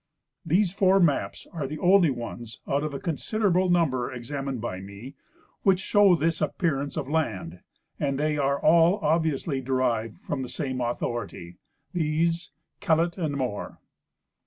These four maps are the only ones, out of a considerable num ber examined b}^ me, which show this appearance of land, and they are all obviously derived from the same authority, viz, Kellett and Moore.